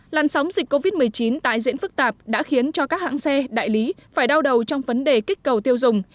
làn sóng dịch covid một mươi chín tại diễn phức tạp đã khiến cho các hãng xe đại lý phải đau đầu trong vấn đề kích cầu tiêu dùng